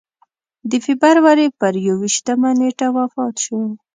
د فبروري پر یوویشتمه نېټه وفات شو.